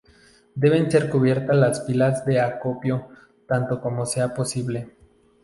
Deben ser cubiertas las pilas de acopio tanto como sea posible.